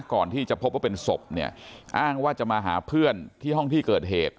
ก่อนที่จะพบว่าเป็นศพเนี่ยอ้างว่าจะมาหาเพื่อนที่ห้องที่เกิดเหตุ